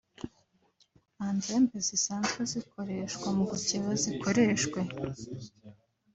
nta nzembe zisanzwe zikoreshwa mu gukeba zikoreshwe